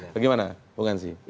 bagaimana bukan sih